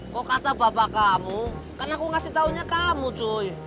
kok kata bapak kamu kan aku ngasih taunya kamu joy